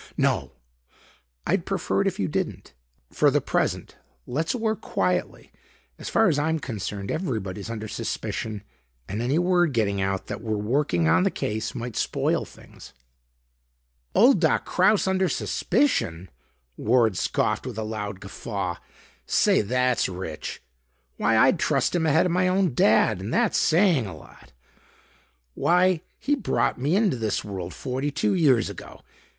"No, I'd prefer it if you didn't. For the present, let's work quietly. As far as I'm concerned, everybody's under suspicion and any word getting out that we're working on the case might spoil things." "Old Doc Kraus under suspicion!" Ward scoffed with a loud guffaw. "Say, that's rich. Why, I'd trust him ahead of my own Dad and that's saying a lot. Why he brought me into this world forty two years ago.